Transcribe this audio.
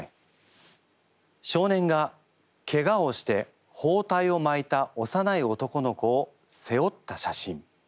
少年がケガをして包帯をまいたおさない男の子を背負った写真。